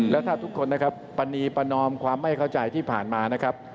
และถ้าทุกคนนะครับปรณีประนอมความไม่เข้าใจที่ผ่านมานะครับ